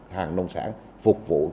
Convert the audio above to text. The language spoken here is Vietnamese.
hàng nông sản phục vụ